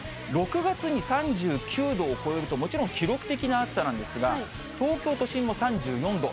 ６月に３９度を超えると、もちろん記録的な暑さなんですが、東京都心も３４度。